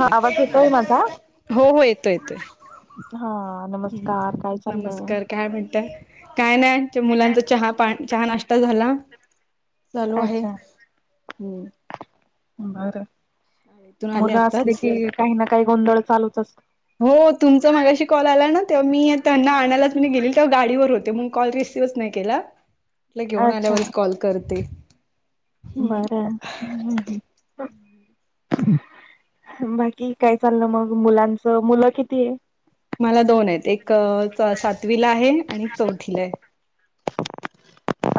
हा आवाज येतोय माझा हो हो येतो येतोय हा ह् नमस्कार काय चाललंय? नमस्कार काय म्हणत काय नाहीच्या मुलांचा चहा चहा नाश्ता झाला चालू आहे हम्म बर शाळेतून आले मुलं असले आताच कि काही ना काही गोंधळ चालूत असत हो तुमचा मागाशी कॉल आला ना तेव्हा मी त्यांना आणायच मी गेली तेव्हा गाडीवर होते मग कॉल रिस शिवस् नाहीयकेला ह त घेऊन आल्यावर कॉल करते हम्म बरं हम् ह् बाकी काय चाललं मग मुलांचं मुलं किती आहे मला दोन आहेत एक सातवीला आहे आणि चौथीला आहे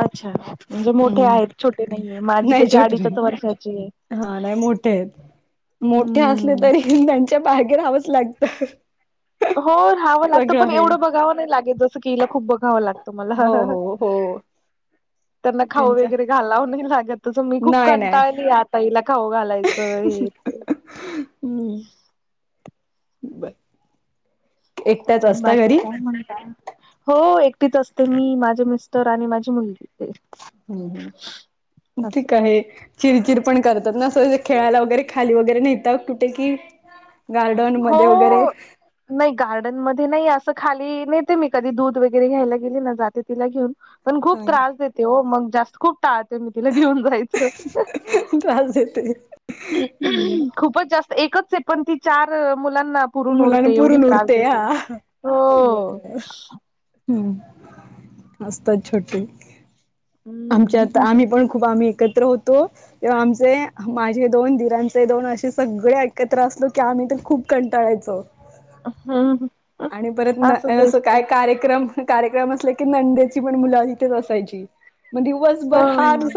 अच्छा म्हणजे मोठे हम्म आहेत छोटे नाहीे माझी नाही तशी छोटे नाही अडीचच वर्षाची आहे हा नाही मोठे आहेत मोठे असले हम्म तरी त्यांच्या बागे रा हवंच लागतं हो राहावं लागत सगळं पण आहे एवढं बघावं नाही लागेल जसं की हला खूप बघावं लागतं हो तुम्हाला हो हो त्यांना खाऊ त्यांचा वगैरे घालाव नाही लागत तसं मी खूप नाही नाही कंटाळली आहे तईला खाऊ घालायचं हे ते हम्म बाय बाकी काय म्हणताय हो एकटीच असते मी माझे मिस्टर आणि माझी मुलगी ते हम् हम् ठीक आहे चिरचिर पण करतात ना असं खेळायला वगैरे खाली वगैरे नाहीेतात कुठे की गार्डन हो नाही गार्डन मध्ये नाही असं खाली नेते मी कधी दूध वगैरे घ्यायला गेले ना जाते तिला घेऊन पण खूप हा त्रास देते हो मग जास्त खूप टाळते मी तिला घेऊन जायचं ते हम् खूपच जास्त एकच आहे पण ती चार मुलांना पुरून मुलांना उरते एवढी पुरून त्रास उरते देते हा हो ह असतच छोटी आमच्यात हम्म आम्ही पण खूप आम्ही एकत्र होतो किंवा आमचे माझे दोन दीरांचे दोन असे सगळे एकत्र असलो की आम्ही ते खूप क टाळायचो. हम् ह आणि परत न असं काय कार्यक्रम कार्यक्रम अस की नंद्याची पण मुलं इथेच असायची मग हो दिवसभर हानुस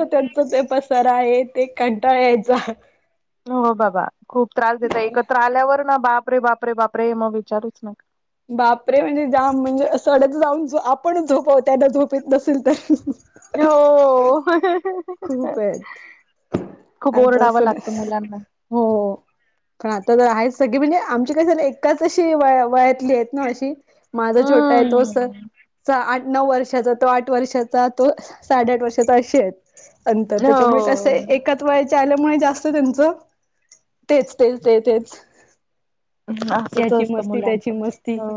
ते पसर आहे ते कंटाळायचा हो बाबा खूप त्रास देत एकत्र आल्यावर ना बापरे बापरे बापरे हे मग विचारूच नका बापरे म्हणजे जाम म्हणजे सडत जाऊन आपणच झोप त्याना झोपत नसेल तर खूप हो आहेत खूप आता ओरडावं असं लागतं नाही मुलांना हो पण आता तर आहे सगळी म्हणजे आमची काही स एकाच अशी वया आहेत ना अशी माझा छोटा आहे तो स हम्म आठ नऊ वर्षाचा तो आठ वर्षाचा तो साडेआठ वर्षाचा असे आहे. अंतर त्याच्यामुळे असं हो. ए वयाचे आल्यामुळे जास्त त्यांच तेच तेच ते तेच ् असच याची असतं मुलांच हो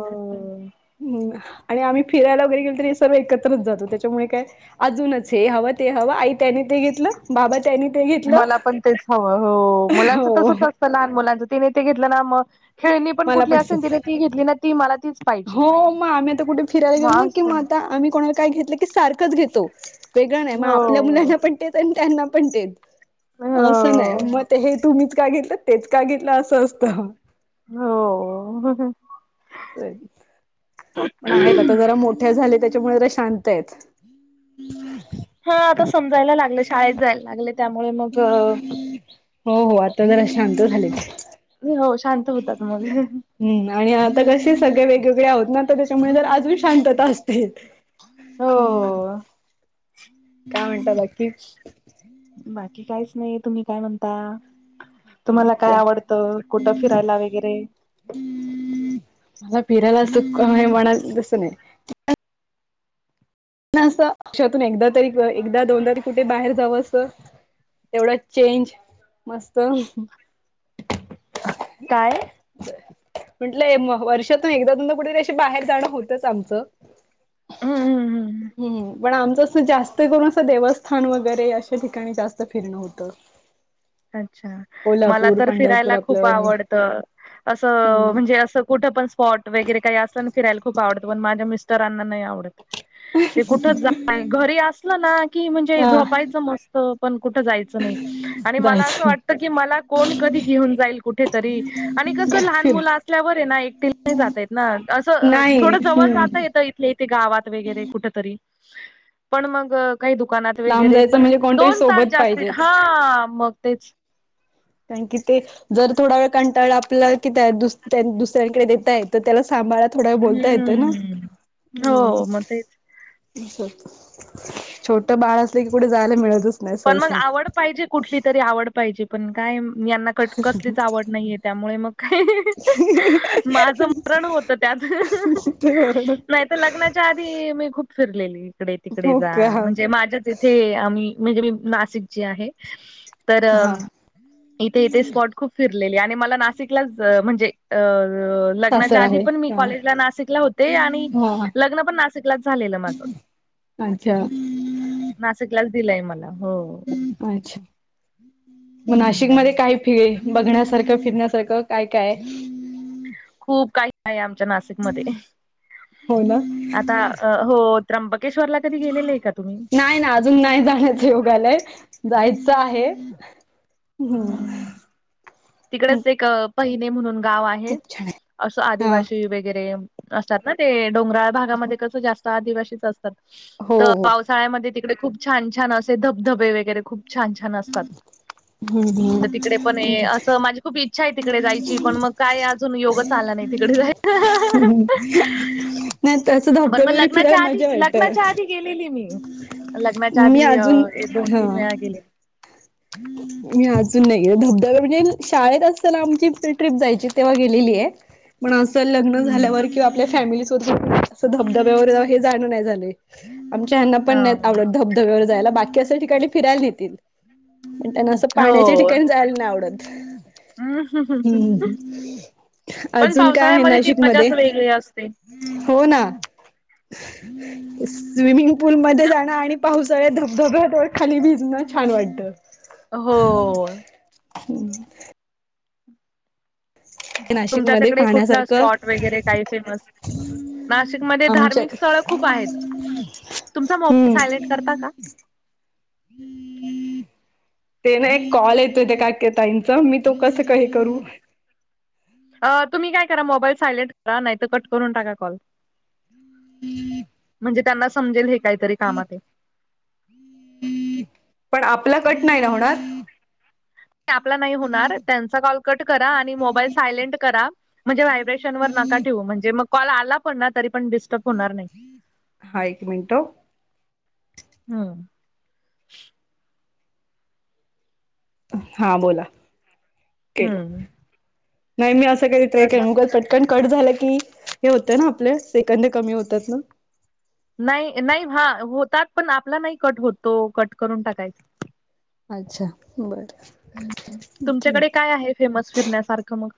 हम आणि आम्ही फिरायला वगैरे गेल तर हे सर्व एकत्रच जातो त्याच्यामुळे काय अजूनच हे हवं ते हवं आई त्यानी ते घेतलं बाबा त्यानी ते घेत मला पण तेच हवं हो मुलांचं तस हो लहान मुलांच तिने ते घेतलं ना मग खेळणी पण मला कुठ असेल तसंच तिने ती घेतली ना ती मला ती हो मग आम्ही आता कुठे फिरायला गेलो ना कि मग असं. आता आम्ही कोणाला काय घेतलं की सारखंच घेतो. वेगळं नाही मग हो आपल्या मुलांना पण तेेत आणि त्यांना पण तेेत असं हो नाही मग हेच तुम्हीच का घेतलं तेच का घेतलं असं असतं. हो पण आहेत आता जरा मोठे झाले त्याच्यामुळे जरा शांत आहेत. हा आता समजायला लागलं शाळेत जायला लागलं त्यामुळे मग हो हो आता जरा शांत झाले. नाही हो शांत होतात मग हम् आणि आता कसे सगळे वेगवेगळे आहोत ना तर त्याच्यामुळे तर अजून शांतता असते. हम्म हो. काय म्हणत बाकी बाकी काहीच नाही, तुम्ही काय म्हणता? तुम्हाला काय मला आवडतं? कुठं फिरायला वगैरे, मला फिरायला सुख आहे म्हणा जस नाही ना अस वर्षातून एकदा तरी एकदा दोनदा तरी कुठे बाहेर जावं असं. तेवढा चेंज मस्त काय? म्हंटलंय वर्षातून एकदा तून कुठेतरी अशी बाहेर जाणं होतंच आमचं हम् हम हम हम्म पण आमचं अस जास्त करून असं देवस्थान वगैरे अशा ठिकाणी जास्त फिरणं होतं. अच्छा मला कोल्हापूर तर पंढरपूर फिरायला खूप आपलं हे आवडतं असं हम्म म्हणजे असं कुठ पण स्पॉट वगैरे काही असताना फिरायला खूप आवडत पण माझ्या मिस्टरांना नाही आवडत. ते कुठ घरी असलं ना की म्हणजे हा झोपायचं मस्त पण कुठ जायचं नाही आणि मला असं जायचं वाटत. की मला कोण कधी घेऊन जाईल कुठेतरी आणि कसं लहान फिर मुलं असल्यावर आहे ना एकटी जातयेत ना असं नाही थोडं जवळ हम्म जातयेत. तेे गावात वगैरे कुठ तरी पण मग काही दुकानात लांब वगैरे जायचं पण म्हणजे कोणतरी दोन तास सोबत जास्त पाहिजेच हा मग तेच काय की ते जर थोडा वेळ कंटाळा आपल्या कि दुसऱ्यांकडे देतय तर त्याला सांभाळ थोड्या बोलता येत ना हम्म हम् हो मग तेच स छोटं बाळ असले की, कुठे जायला मिळतच नाही पण मग सहसा. आवड पाहिजे कुठली तरी आवड पाहिजे पण काय यांना कट कसलीच आवड नाहीये, त्यामुळे मग काही माझं मरण होत त्यात. ते बरोबर नाही तर लग्नाच्या आ धी मी खूप फिरलेली इकडे, तिकडे हो जा का हा म्हणजे माझ्याच इथे आम्ही म्हणजे मी नाशिक ची आहे तर, हा इथे इथे स्पॉट खूप फिरलेली आणि मला नाशिकलाच म्हणजे अ सासर लग्नाच्या आधी आहे पण, मी कॉलेजला नाशिकला होते आणि हा लग्न पण नाशिकलाच झालेलं माझं. अच्छा. नाशिकलाच दिलय मला. हो. अच्छा मग नाशिक हम्म. मध्ये काही फि बघण्यासारखं, फिरण्यासारखं काय काय ये? खूप काही आहे आमच्या नाशिकमध्ये. हो ना आता हो. त्र्यंबके्शवरला कधी गेलेले आहे का तुम्ही? नाही ना अजून नाही जाण्याच योग आलय, जायचं आहे ह. हम्म तिकडेच एक पहिने म्हणून गाव आहे, खूप छान असं आहे हा आदिवासी वगैरे असतात ना, ते डोंगराळ भागामध्ये कस जास्त आदिवासीच असतात. हो तर पा हो ळ्या मधे तिकडे खूप छान छान असे धबधबे वगैरे खूप छानछान आसतात, तर तिकडे पण हम्म असं माझी खूप इच्छा आहे तिकडे जायची, पण मग काय अजून योगच आला नाही तिकडे जायच [inaudible] हम्म. नाही तसं बर, धबधबे म वगैरे लगनाच्या फिरायला आधी, मजा लगनाच्या वाटत आधी गेलेली मी, लग्नाच्या मी आधी अजून एक दोन हा तीन वेळा गेलेली. [inaudible] मी अजून नाही गे धबधब म्हणजे शाळेत असताना, आमची ट्रीप जायची तेव्हा गेलेली आहे. मण असं लग्न हम्म झाल्यावर किंवा आपल्या फॅमिलीसोबत असं धबधब्यावर हे जाणं नई झालय. आमच्या ह्यांना पण हा नाही आवडत धबधब्यावर जायला, बाकी असा ठिकाणी फिरायला न्हेतील. पण त्यांना असं पाण्याच्या हो. ठिकाणी जायला नाय आवडत. हम्म पण अजून काय आहे पावसाळ्यामध्ये ती नाशिकमध्ये? मजाच वेगळी असते. हो ना. स्विमिंग पूल मध्ये जाण आणि पाऊस सगळ्या धबधब्यात खाली भिजणं छान वाटतं. हो. तुमच्या नाशिकमध्ये तिकडे कुठला पाहण्यासारखं स्पॉट वगैरे, काही फेमस? नाशिकमध्ये आमच्या धार्मिक स्थळ खूप आहेत. तुमचा मो हम्म सायलेंट करता का? ते ना एक कॉल येतोय त्या काक्यताईच, मी तो कसं हे करू? तुम्ही काय करा मोबाईल सायलेंट करा, नाहीतर कट करून टाका कॉल. [unintelligible] म्हणजे त्यांना समजेल हे काहीतरी कामाताय. पण आपला कट नाही ना होणार? आपला नाही होणार त्यांचा कॉल कट करा, आणि मोबाईल सायलेंट करा म्हणजे व्हायब्रेशनवर नका ठेवू, म्हणजे मग कॉल आला पण ना तरी पण डिस्टर्ब होणार नाही. हा एक मिनिट हम्म. हा बोला. केलं हम्म. नाही मी असं तर [unintelligible] मुग से कट झालं की, हे होतं ना आपल्या सेकंद कमी होतात ना. नाही नाही हा होतात, पण आपला नाही कट होतो कट करून टाकायच. अच्छा! बरं तुमच्याकडे ठीक काय आहे फेमस फिरण्यासारखं मग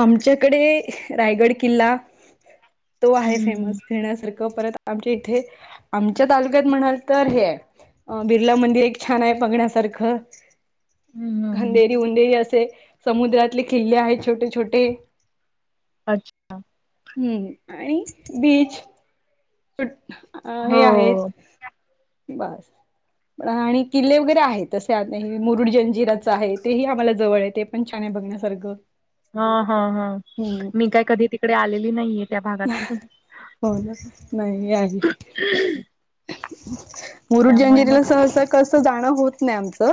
आमच्याकडे रायगड किल्ला, तो आहे हम्म फेमस फिरण्यासारखं परत आमच्या इथे, आमच्या तालुक्यात म्हणाल तर हे आहे अ- बिर्ला मंदिर एक छानय बघण्यासारखं. हम्म हम्म हम्म खंधेरी उंदेरी असे, समुद्रातले किल्ले आहेत छोटे छोटे. अच्छ हम्म आणि बीच. हे हो आहेत बस. [unintelligible] आणि किल्ले वगैरे आहेत, तसे मुरुड जंजिराच आहे तेही आम्हाला जवळ य ते पण छान बघण्यासारखं हा, हा, हा हम्म मी काय कधी तिकडे आलेली नाहीये त्या भागात हो ना. नाही आले, मुरुड त्यामुळे जंजिराला मग सहसा कसं जाणं होत नाही आमचं,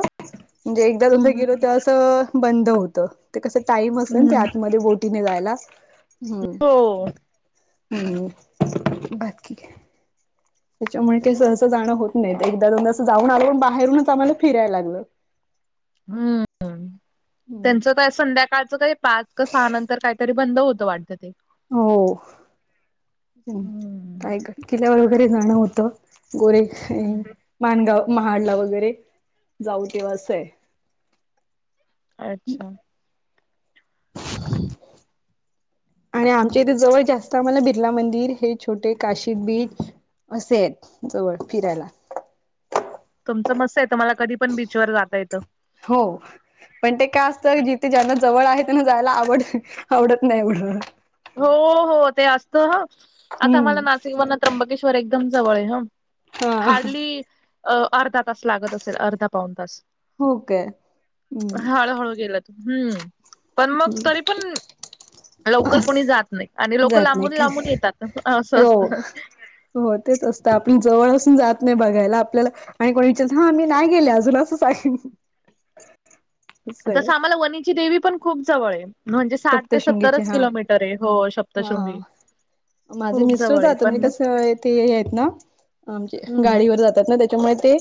म्हणजे एकदा दोनदा हम्म गेल तर असं बंद होत. ते कस टाइम असत ना हम्म ते, हम्म आतमध्ये बोटीने जायला हम्. हो ह् बात क आहे. [unintelligible] त्याच्यामुळे काही सहसं जाणं होत नाही, एकदा दोनदा असं जाऊन आलून बाहेरूनच आम्हाला फिरायला लागलं. हम्म त्यांचा का संध्याकाळचं काही पाच क सहा नंतर काहीतरी बंद होतं वाटतं ते हो हम्म रायगड, किल्ल्यावर वगैरे जाणं होतं. गोरे हम्म माणगाव, महाडला, वगैरे जाऊ तेव्हा असं आहे. अच्छा! [inaudible] आणि आमच्या इथे जवळ जास्त आम्हाला बिर्ला मंदिर हे छोटे काशी बीच असे आहेत जवळ फिरायला तुमचं मस्त, तुम्हाला कधी पण बीच वर जाता येतं. हो. पण ते काय असतं, जिथे ज्यांना जवळ आहे त्यांना जायला आवड आवडत नाही म्हण. हो हो ते असत. आता आम्हाला हम्म नाशिक वरण त्र्यंबकेश्वर एकदम जवळ आहे ह हा हार्डली अ अर्धा तास लागत असेल, अर्धा पाऊन तास हो काय हम्म हळूहळू गेलं. हम्म, पण मग तरी पण ठीक. [inaudible] लवकर कोणी जात नाही, आणि लोक लांबून लांबून कधी येतात असं हो असतं. हो तेच असतं, आपण जवळ असून जात नाही बघायला आपल्याला आणि कोणी विचार, हा मी नाही गेले अजून असच आहे. जसं आम्हाला, वणीची देवी पण खूप जवळ आहे. म्हणजे साठ ते सप्तशृंगीचे सत्तरच हा किलोमीटर आहे, हो हा सप्तशृंगी माझे खूप मिस्टर जवळ आहे जातात पण म्हणजे, मग कस ते हे आहेत ना म्हणजे हम्म गाडीवर जातात ना. त्याच्यामुळे ते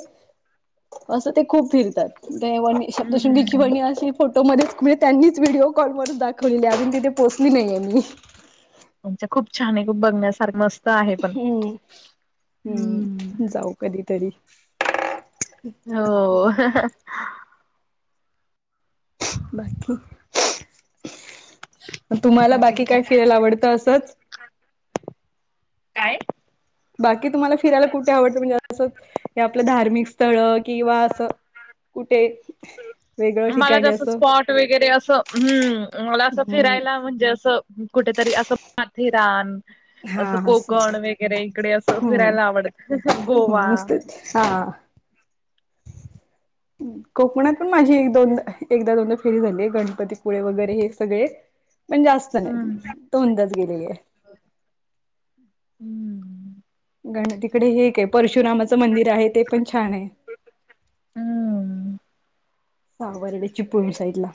असं ते खूप फिरतात ते वणी शब्दशृंगीची हम्म वणी असे फोटोमध्येच, त्यांनीच व्हिडिओ कॉलवरून दाखवलेली अजून तिथे पोचली नाहीये मी. म्हण खूप छान आहे खू बघण्यासारखं मस्त [unintelligible] हम्म, हम्म जाऊ कधीतरी हो. बाकी, तुम्हाला बाकी काय फिराला आवडतं असंच काय? बाकी तुम्हाला फिरायला कुठे आवडत, म्हणजे असं हे आपलं धार्मिक स्थळ किंवा असं कुठे? वेगळं मला ठिकाणी जास्त असं स्पॉट वगैरे असं हम्, मला असं हम्म फिरायला म्हणजे असं कुठेतरी असं माथेरान असं कोकण वगैरे इकडे असं हम्म फिरायला आवड गोवा नुसतेच हा. [unintelligible] कोकणात पण माझी एक दोनदा, एकदा दोनदा फेरी झालीय गणपतीपुळे वगैरे हे सगळे [inaudible] पण जास्त नाही, हम्म दोनदा गेलेली आहे. हम्म गण, तिकडे हे एक परशुरामाचं मंदिर आहे ते पण छान ये. हम्म. सावर्डे चिपळूण साईडला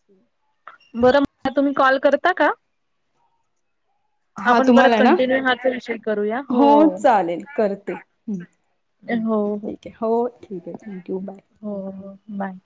[unintelligible] बरं म तुम्ही कॉल करता का? हा आपण परत तुम्हाला ना? कंटिन्यू हाच विषय करूया हो चालेल करते. हो. ठीकये हो ठीक ये थँक्यू बाय हो हो बाय.